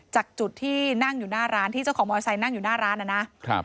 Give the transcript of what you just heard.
จากจุดที่นั่งอยู่หน้าร้านที่เจ้าของมอไซค์นั่งอยู่หน้าร้านนะครับ